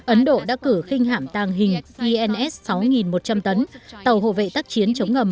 ấn độ đã cử khinh hạm tàng hình ins sáu nghìn một trăm linh tấn tàu hộ vệ tác chiến chống ngầm